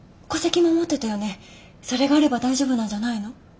それがあれば大丈夫なんじゃないの？